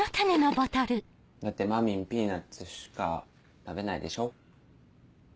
だってまみんピーナツしか食べないでしょ？